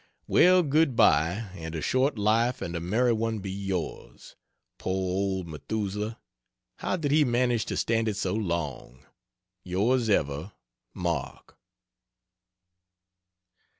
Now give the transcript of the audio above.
Well good bye, and a short life and a merry one be yours. Poor old Methusaleh, how did he manage to stand it so long? Yrs ever, MARK.